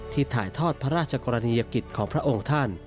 ถ่ายทอดพระราชกรณียกิจของพระองค์ท่าน